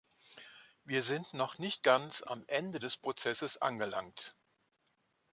Wir sind noch nicht ganz am Ende des Prozesses angelangt.